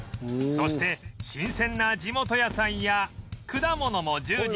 そして新鮮な地元野菜や果物も充実